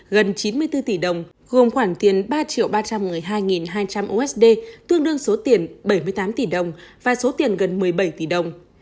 gần chín mươi bốn tỷ đồng gồm khoản tiền ba ba trăm một mươi hai hai trăm linh usd tương đương số tiền bảy mươi tám tỷ đồng và số tiền gần một mươi bảy tỷ đồng